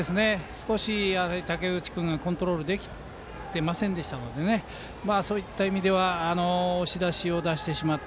少し武内君がコントロールできていなかったのでそういった意味では押し出しを出してしまった。